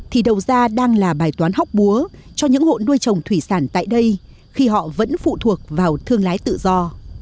thì đầu ra đang là bài toán hóc búa cho những hộ nuôi trồng thủy sản tại đây khi họ vẫn phụ thuộc vào thương lái tự do